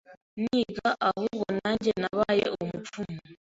niga ahubwo nanjye nabaye umupfumu,